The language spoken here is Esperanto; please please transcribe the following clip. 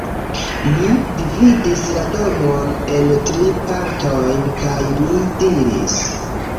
Ni dividis la domon en tri partojn, kaj mi diris: